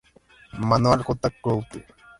Manuel J. Clouthier.